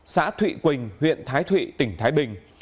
xã thụy quỳnh huyện thái thụy tỉnh thái bình